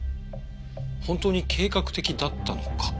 「本当に計画的だったのか」